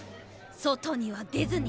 外には出ずに！